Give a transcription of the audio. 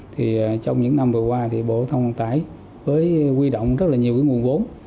trong những năm vừa qua bộ thông tài với quy động rất nhiều nguồn vốn